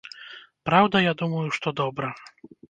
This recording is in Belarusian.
Праўда, я думаю, што добра.